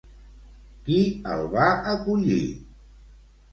Qui el va acollir?